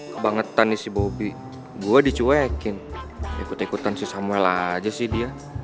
kebangetan isi bobi gue dicuekin ikut ikutan si samuel aja sih dia